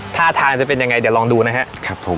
ท่าทางจะเป็นยังไงเดี๋ยวลองดูนะครับผม